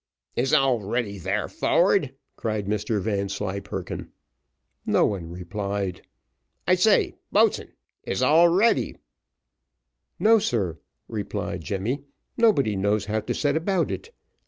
"Is all ready there, forward?" cried Mr Vanslyperken. No one replied. "I say, boatswain, is all ready?" "No, sir," replied Jemmy; "nobody knows how to set about it.